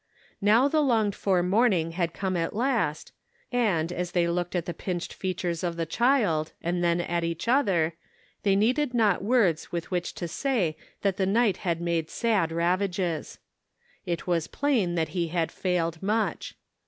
Now the longed for morning had come at last, and, as they looked at the pinched features of the child, and then at each other, they needed not words with which to say that the night had made sad ravages. It was plain that he had failed much.